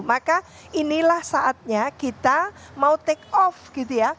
maka inilah saatnya kita mau take off gitu ya